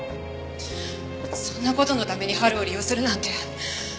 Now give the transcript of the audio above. そんな事のために晴を利用するなんて。